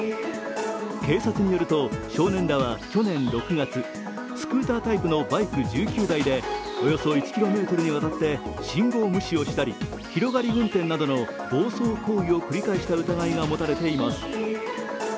警察によると少年らは去年６月、スクータータイプのバイク１９台でおよそ１ｋｍにわたって信号無視をしたり、広がり運転などの暴走行為を繰り返した疑いが持たれています。